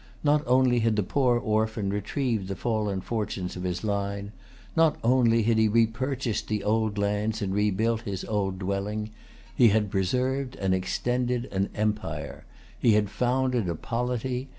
Not only had the poor orphan retrieved the fallen fortunes of his line. Not only had he repurchased the old lands, and rebuilt the old dwelling. He had preserved and extended an empire. He had founded a polity.